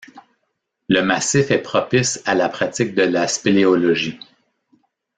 Le massif est propice à la pratique de la spéléologie.